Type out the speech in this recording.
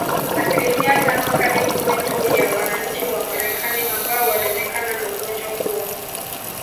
Asilimia tano hadi kumi tu ya wananchi wa Marekani ambao walionekana na ugonjwa huo